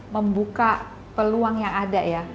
membuka peluang yang ada ya